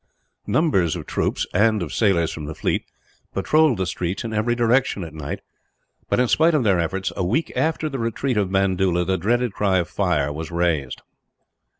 Numbers of troops, and of sailors from the fleet, patrolled the streets in every direction at night but, in spite of their efforts, a week after the retreat of Bandoola the dreaded cry of fire was raised.